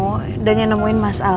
udah nyamuin mas al